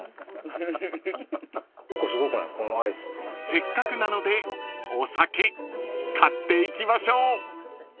［せっかくなのでお酒買っていきましょう］